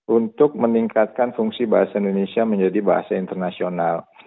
untuk meningkatkan fungsi bahasa indonesia menjadi bahasa internasional